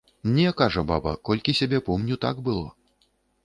Не, кажа баба, колькі сябе помню, так было.